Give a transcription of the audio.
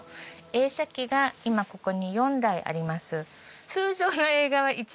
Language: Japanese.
映写機が今ここに４台あります。